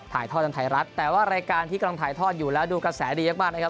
ถ่ายทอดทางไทยรัฐแต่ว่ารายการที่กำลังถ่ายทอดอยู่แล้วดูกระแสดีมากนะครับ